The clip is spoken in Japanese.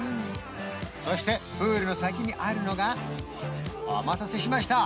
そしてプールの先にあるのがお待たせしました